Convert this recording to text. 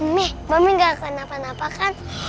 mie mami gak kena penapa kan